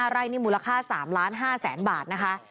ไร่นี่มูลค่า๓๕๐๐๐๐บาทนะคะ